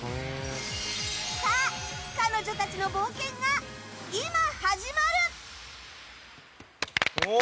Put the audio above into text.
さあ、彼女たちの冒険が今、始まる！